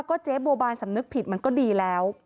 ก็เจ๊บัวบานสำนึกผิดมันก็ดีแล้ว